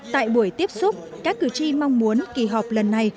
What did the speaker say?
tại buổi tiếp xúc các cử tri mong muốn kỳ họp lần này